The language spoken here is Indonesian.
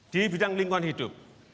di bidang lingkungan hidup